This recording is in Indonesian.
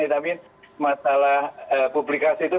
di kedokteran yang disebut berbukti ilmiah ini